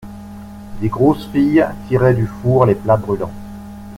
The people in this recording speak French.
Des grosses filles tiraient du four les plats brûlants.